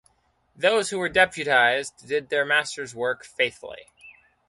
Those who were deputized did their master's work faithfully.